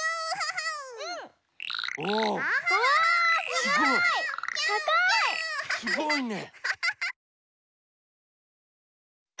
すごいね！